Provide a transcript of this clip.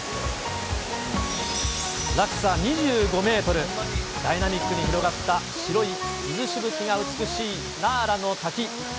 落差２５メートル、ダイナミックに広がった、白い水しぶきが美しいナーラの滝。